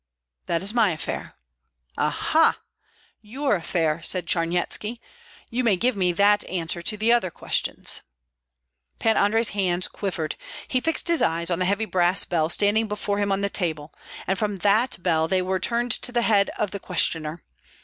"That is my affair." "Ah, ha! your affair," said Charnyetski. "You may give me that answer to other questions." Pan Andrei's hands quivered, he fixed his eyes on the heavy brass bell standing before him on the table, and from that bell they were turned to the head of the questioner.